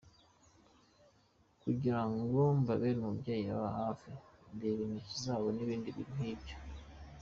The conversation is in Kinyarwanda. Kugira ngo mbabere umubyeyi ubaba hafi, ndebe intoki zabo n’ibindi nk’ibyo.